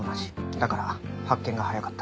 だから発見が早かった。